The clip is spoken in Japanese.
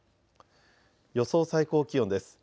予想最高気温です。